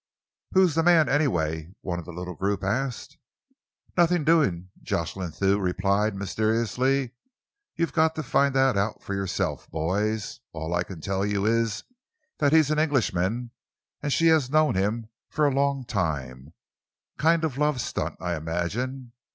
"Who's the man, anyway?" one of the little group asked. "Nothing doing," Jocelyn Thew replied mysteriously. "You've got to find that out for yourself, boys. All I can tell you is that he's an Englishman, and she has known him for a long time kind of love stunt, I imagine.